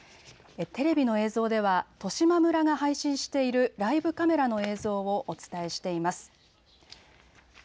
テレビの映像では十島村が配信しているライブカメラの映像をお伝えしています。